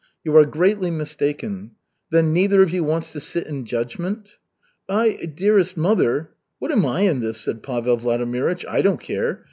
You are greatly mistaken. Then neither of you wants to sit in judgment?" "I, dearest mother " "What am I in this?" said Pavel Vladimirych. "I don't care.